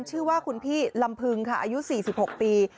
ชื่อว่าคุณพี่ลำพึงค่ะอายุ๔๖ปี